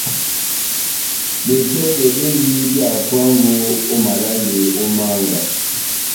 Betɔdɛ bendi bia hapuango ó malale ó mánga.